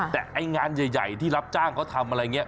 แต่ไอ้งานใหญ่ที่รับจ้างเขาทำอะไรอย่างนี้